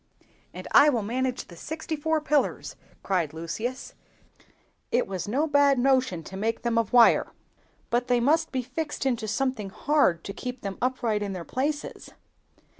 "And I will manage the sixty four pillars!" cried Lucius; "it was no bad notion to make them of wire. But they must be fixed into something hard, to keep them upright in their places."